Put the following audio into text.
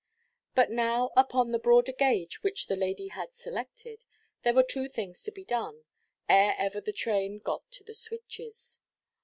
But now, upon the broader gauge which the lady had selected, there were two things to be done, ere ever the train got to the switches.